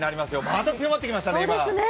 また強まってきましたね、今。